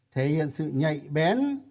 thể hiện sự nhạy bén